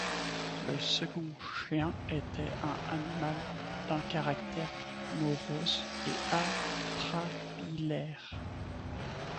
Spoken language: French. Le second chien était un animal d’un caractère morose et atrabilaire.